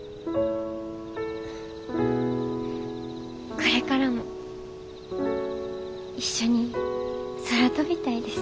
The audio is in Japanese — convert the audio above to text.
これからも一緒に空飛びたいです。